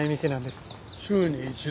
週に一度？